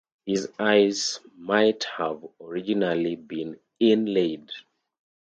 His eyes might have originally been inlaid.